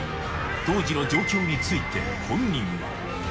当時の状況について、本人は。